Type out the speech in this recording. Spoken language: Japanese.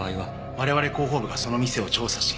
我々広報部がその店を調査し。